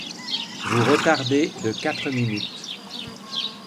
Vous retardez de quatre minutes.